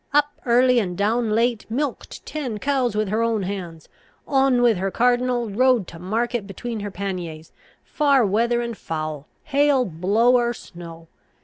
Up early and down late; milked ten cows with her own hands; on with her cardinal, rode to market between her panniers, fair weather and foul, hail, blow, or snow.